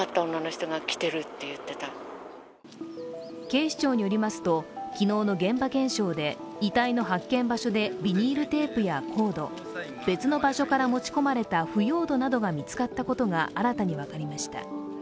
警視庁によりますと、昨日の現場検証で遺体の発見場所でビニールテープやコード、別の場所から持ち込まれた腐葉土などが見つかったことが新たに分かりました。